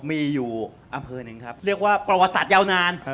มีอยู่อำเภอหนึ่งครับเรียกว่าประวัติศาสตร์ยาวนาน